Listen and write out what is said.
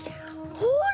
ほら！